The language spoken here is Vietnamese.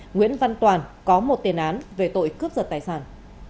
nguyễn văn toàn có một tiền án về tội cướp giật tài sản